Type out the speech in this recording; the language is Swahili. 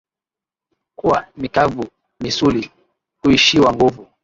kuwa mikavuMisuli kuishiwa nguvu